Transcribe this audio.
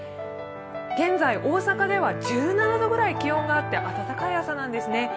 現在、大阪では１７度ぐらい気温があって暖かい朝なんですね。